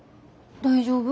大丈夫？